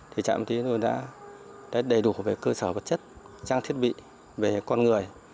thì trạm y tế tôi đã đầy đủ về cơ sở vật chất trang thiết bị về con người